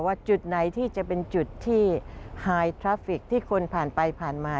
จุดไหนที่จะเป็นจุดที่ไฮทราฟิกที่คนผ่านไปผ่านมา